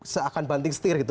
seakan banting setir gitu